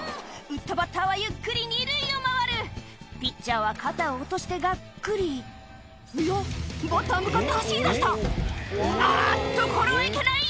打ったバッターはゆっくり二塁を回るピッチャーは肩を落としてがっくりいやバッター向かって走りだしたあっとこれはいけない！